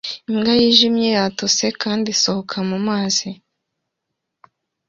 Imbwa yijimye yatose kandi isohoka mu mazi